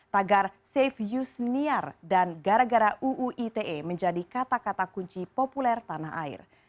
tagar safe yusniar dan gara gara uu ite menjadi kata kata kunci populer tanah air